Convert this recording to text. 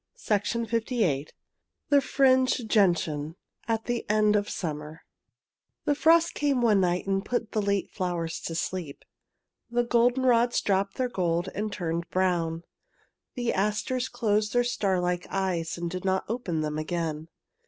I THE FRINGED GENTIAN THE FRINGED GENTIAN AT THE EKD OF SUMMER The frost came one night and put the late flowers to sleep. The goldenrods dropped their gold and turned brown. The asters closed their starlike eyes and did not open them again.